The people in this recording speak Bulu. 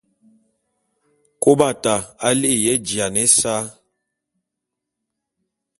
Kôbata a li'iya éjiane ésa.